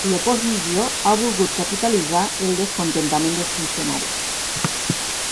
L'oposició ha volgut capitalitzar el descontentament dels funcionaris.